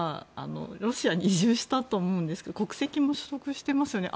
ロシアに移住したと思うんですけど国籍も取得していますよね。